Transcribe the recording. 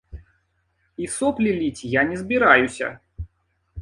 І соплі ліць я не збіраюся!